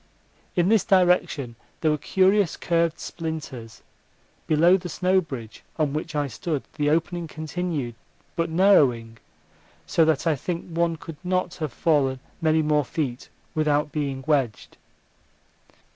In this direction there were curious curved splinters; below the snow bridge on which I stood the opening continued, but narrowing, so that I think one could not have fallen many more feet without being wedged.